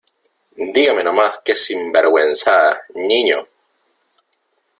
¡ dígame no más que sinvergüenzada, niño!...